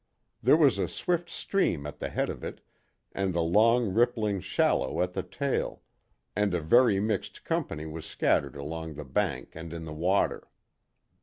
There was a swift stream at the head of it, and a long rippling shallow at the tail, and a very mixed company was scattered along the bank and in the water.